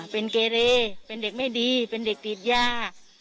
เป็นเกเรเป็นเด็กไม่ดีเป็นเด็กติดยา